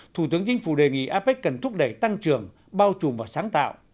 thủ tướng chính phủ đề nghị apec cần thúc đẩy tăng trưởng bao trùm và sáng tạo